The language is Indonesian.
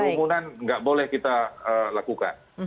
kerumunan nggak boleh kita lakukan